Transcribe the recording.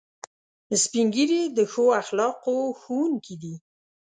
سپین ږیری د ښو اخلاقو ښوونکي دي